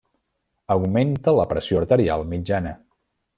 Augmenta la pressió arterial mitjana.